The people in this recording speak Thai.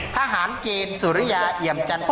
ทหารเกมสุริยาอิยมจันทรวม